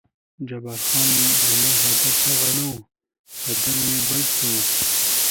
جبار خان: زما هدف هغه نه و، هدف مې بل څه و.